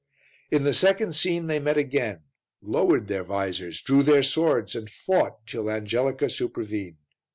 In the second scene they met again, lowered their vizors, drew their swords and fought till Angelica supervened.